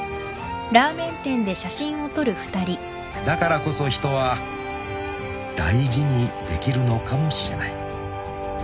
［だからこそ人は大事にできるのかもしれない］